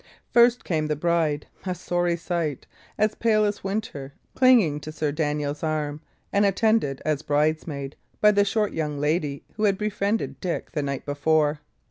First came the bride, a sorry sight, as pale as winter, clinging to Sir Daniel's arm, and attended, as brides maid, by the short young lady who had befriended Dick the night before.